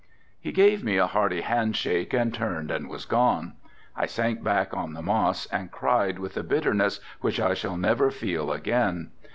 He gave me a hearty hand shake, turned and was gone. I sank back on the moss and cried with a bitterness which I shall never feel again.